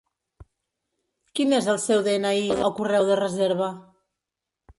Quin és el seu de-ena-i o correu de reserva?